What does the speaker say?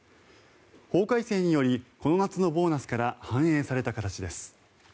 法改正によりこの夏のボーナスから反映された形です。